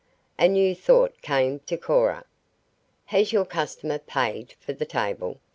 A new thought came to Cora. "Has your customer paid for the table?"